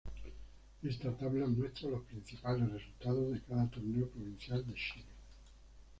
Esta tabla muestra los principales resultados de cada Torneo Provincial de Chile.